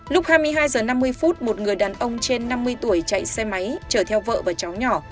lúc hai mươi hai h năm mươi một người đàn ông trên năm mươi tuổi chạy xe máy chở theo vợ và cháu nhỏ